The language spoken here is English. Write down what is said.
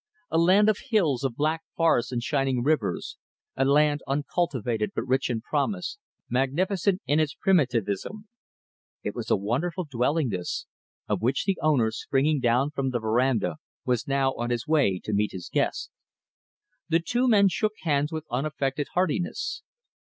A land of hills, of black forests and shining rivers; a land uncultivated but rich in promise, magnificent in its primitivism. It was a wonderful dwelling this, of which the owner, springing down from the veranda, was now on his way to meet his guest. The two men shook hands with unaffected heartiness.